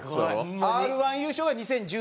Ｒ−１優勝が２０１６年。